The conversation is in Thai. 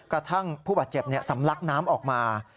กระทั่งผู้บาดเจ็บสำลักน้ำออกมา